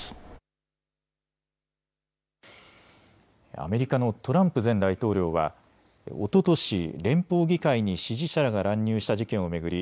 アメリカのトランプ前大統領はおととし連邦議会に支持者らが乱入した事件を巡り